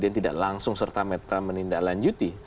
dia tidak langsung serta merta menindaklanjuti